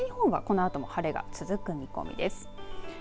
西日本は、このあとも晴れが続く見込みです。